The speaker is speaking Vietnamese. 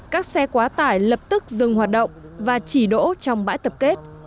các xe quá tải lập tức dừng hoạt động và chỉ đỗ trong bãi tập kết